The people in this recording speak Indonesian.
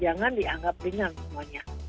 jangan dianggap ringan semuanya